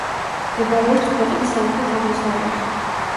მდებარეობს ქვეყნის სამხრეთ-აღმოსავლეთით.